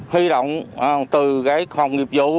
huy động từ phòng nghiệp vụ